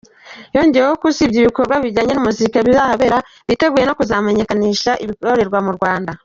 Yongeyeho ko usibye ibikorwa bijyanye n’umuziki bizahabera, biteguye no kuzahamenyekanishiriza ibikorerwa mu Rwanda.